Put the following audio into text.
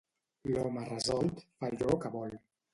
L'home resolt fa allò que vol.